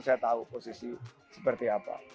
saya tahu posisi seperti apa